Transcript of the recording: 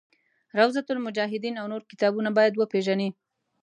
روضة المجاهدین او نور کتابونه باید وپېژني.